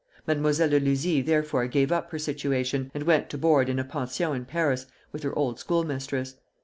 Mademoiselle de Luzy therefore gave up her situation, and went to board in a pension in Paris with her old schoolmistress.